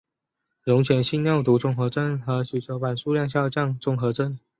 溶血性尿毒综合征和血小板数量下降综合征。